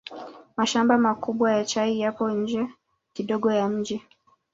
Mashamba makubwa ya chai yapo nje kidogo ya mji.